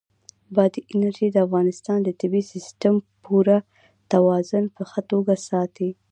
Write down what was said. بادي انرژي د افغانستان د طبعي سیسټم پوره توازن په ښه توګه ساتي.